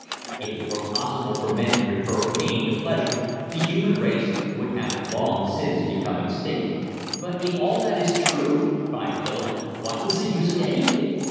If it were possible for men to prefer pain to pleasure the human race would have long since become extinct." "But if all that is true," cried Philip, "what is the use of anything?